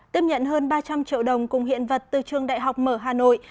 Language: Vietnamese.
tiếp nhận hơn ba trăm linh triệu đồng cùng hiện vật từ trường đại học mở hà nội